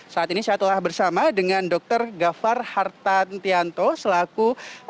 saat ini saya telah bersama dengan dr gafar hartantianto selaku